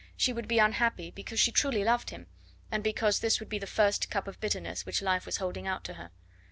She would be unhappy, because she truly loved him, and because this would be the first cup of bitterness which life was holding out to her.